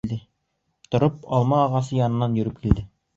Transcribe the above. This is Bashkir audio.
Тороп алма ағасы янынан йөрөп килде.